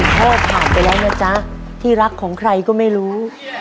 พ่อผ่านไปแล้วนะจ๊ะที่รักของใครก็ไม่รู้